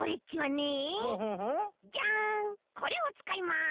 ジャンこれをつかいます！